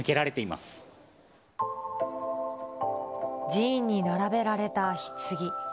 寺院に並べられたひつぎ。